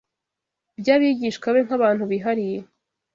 by’abigishwa be nk’abantu bihariye